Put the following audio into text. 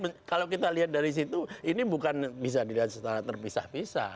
nah kalau kita lihat dari situ ini bukan bisa dilihat secara terpisah pisah